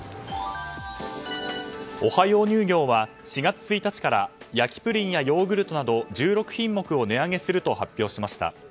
オハヨー乳業は４月１日から焼プリンやヨーグルトなど１６品目を値上げすると発表しました。